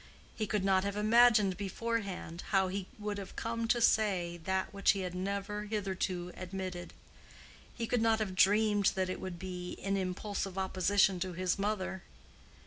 He could not have imagined beforehand how he would have come to say that which he had never hitherto admitted. He could not have dreamed that it would be in impulsive opposition to his mother.